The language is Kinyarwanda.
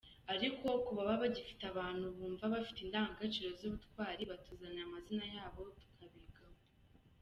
Ariko ku baba bagifite abantu bumva bafite indangagaciro z’ubutwari, batuzanira amazina yabo tukabigaho”.